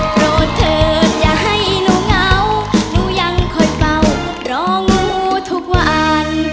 โกรธเถิดอย่าให้หนูเหงาหนูยังคอยเฝ้ารองูทุกวัน